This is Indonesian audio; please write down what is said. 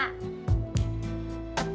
tepat atu mas